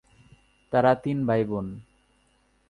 তারা তিন ভাই বোন।